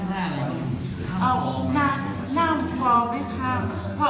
กุยีหลับข้าม